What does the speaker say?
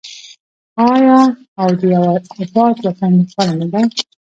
آیا او د یو اباد وطن لپاره نه ده؟